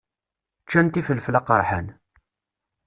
Ččant ifelfel aqeṛḥan.